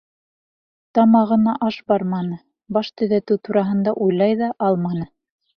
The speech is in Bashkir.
Тамағына аш барманы, баш төҙәтеү тураһында уйлай ҙа алманы.